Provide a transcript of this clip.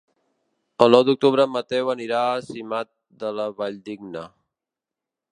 El nou d'octubre en Mateu anirà a Simat de la Valldigna.